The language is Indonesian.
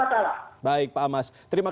tidak ada masalah